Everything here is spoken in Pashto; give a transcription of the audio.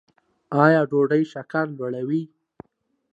ایا ډوډۍ شکر لوړوي؟